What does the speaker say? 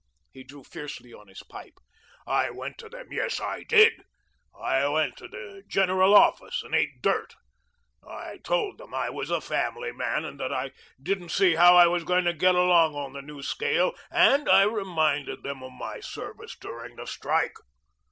He drew fiercely on his pipe. "I went to them, yes, I did; I went to the General Office, and ate dirt. I told them I was a family man, and that I didn't see how I was going to get along on the new scale, and I reminded them of my service during the strike.